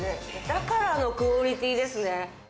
だから、あのクオリティーなんですね。